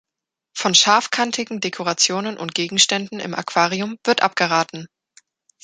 Von scharfkantigen Dekorationen und Gegenständen im Aquarium wird abgeraten.